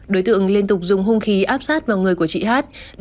đối tượng liên tục dùng hung khí áp sát vào người của chị hát